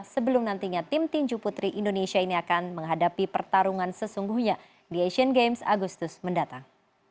sebelum nantinya tim tinju putri indonesia ini akan menghadapi pertarungan sesungguhnya di asian games agustus mendatang